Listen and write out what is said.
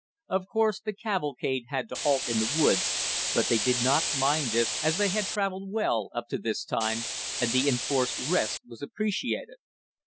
Of course the cavalcade had to halt in the woods, but they did not mind this as they had traveled well up to this time, and the enforced rest was appreciated.